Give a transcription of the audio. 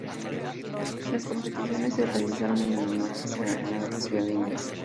Las competiciones se realizaron en la Manchester Arena de la ciudad inglesa.